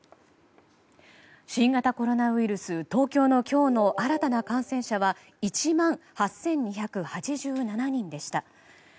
新型コロナウイルス東京の今日の新たな感染者は１万８２８７人でした。